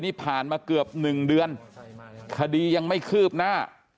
นี่ผ่านมาเกือบ๑เดือนคดียังไม่คืบหน้า